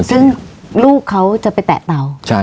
ซึ่งลูกเขาจะไปแตะเตา